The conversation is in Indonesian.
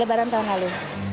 lebaran tahun lalu